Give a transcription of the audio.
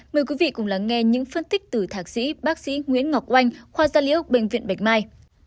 mời quý vị cùng lắng nghe những phân tích từ thạc sĩ bác sĩ nguyễn ngọc oanh khoa gia liễu bệnh viện bạch mai